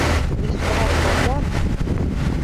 — Лишкырак тол-ян!..